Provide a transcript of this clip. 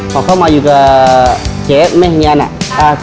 ผมเข้ามาอยู่กับเจ๊ฟีมากเลย